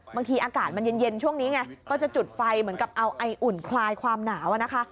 บางทีอากาศมันเย็นช่วงนี้ไงก็จะจุดไฟเหมือนกับเอาไออุ่นคลายความหนาวนะคะ